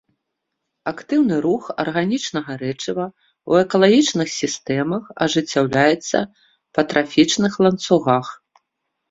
Актыўны рух арганічнага рэчыва ў экалагічных сістэмах ажыццяўляецца па трафічных ланцугах.